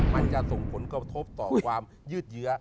มันจะส่งผลกระทบต่อความยืดเยื้อ